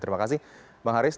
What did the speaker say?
terima kasih bang haris